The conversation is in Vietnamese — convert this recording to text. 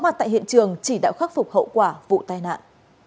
mặt tại hiện trường chỉ đạo khắc phục hậu quả vụ tai nạn